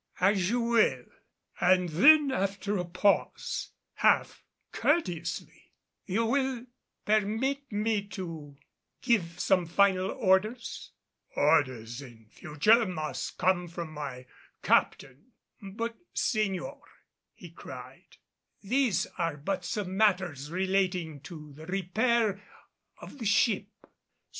"As you will;" and then after a pause, half courteously, "You will permit me to give some final orders?" "Orders in future must come from my captain." "But, señor," he cried, "these are but some matters relating to the repair of the ship."